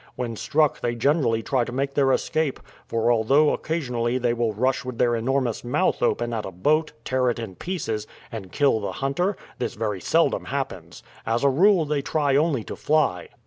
When struck they generally try to make their escape; for although occasionally they will rush with their enormous mouth open at a boat, tear it in pieces, and kill the hunter, this very seldom happens. As a rule they try only to fly."